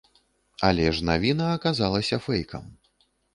Але ж навіна аказалася фэйкам.